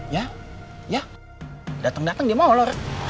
ya ya datang datang dia mau olor